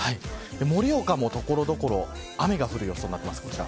盛岡も所々雨が降る予想になっています。